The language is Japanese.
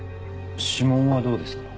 指紋はどうですか？